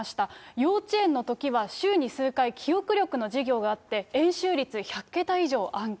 幼稚園のときは週に数回、記憶力の授業があって、円周率１００桁以上暗記。